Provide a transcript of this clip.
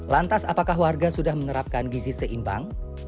lantas apakah warga sudah menerapkan gizi seimbang